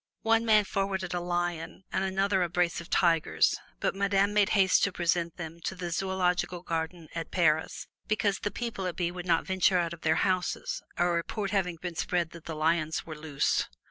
One man forwarded a lion, and another a brace of tigers, but Madame made haste to present them to the Zoological Garden at Paris, because the folks at By would not venture out of their houses a report having been spread that the lions were loose.